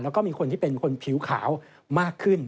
แล้วก็มีคนที่เป็นคนผิวขาวมากขึ้น